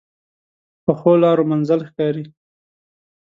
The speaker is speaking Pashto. پخو لارو منزل ښکاري